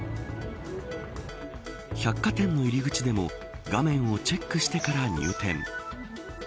百貨店の入り口でも、画面をチェックしてから入店。